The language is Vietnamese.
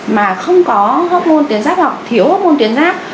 mà không có hormôn tuyến giáp hoặc thiếu hormôn tuyến giáp